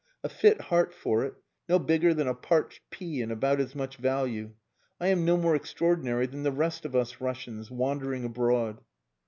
A fit heart for it; no bigger than a parched pea and about as much value. I am no more extraordinary than the rest of us Russians, wandering abroad."